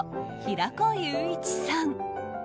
平子雄一さん。